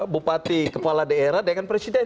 bupati kepala daerah dengan presiden